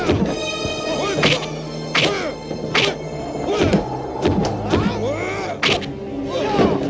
kumpulan kelabang hijau dan matahari